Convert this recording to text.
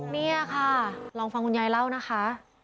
นี่ค่ะลองฟังคุณยายเล่านะคะ